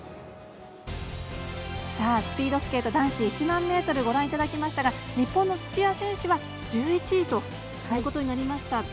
スピードスケート男子１００００ｍご覧いただきましたが日本の土屋選手は１１位ということになりました。